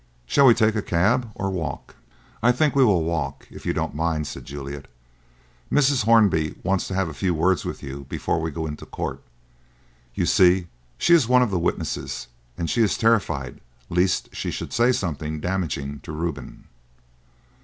"Shall we take a cab, or walk?" "I think we will walk, if you don't mind," said Juliet. "Mrs. Hornby wants to have a few words with you before we go into court. You see, she is one of the witnesses, and she is terrified lest she should say something damaging to Reuben."